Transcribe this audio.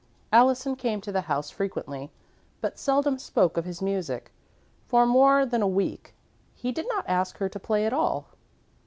Allison came to the house frequently, but seldom spoke of his music; for more than a week, he did not ask her to play at all.